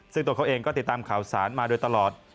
ซึ่งตัวเขาเองก็ติดตามข่าวสารมาโดยตลอด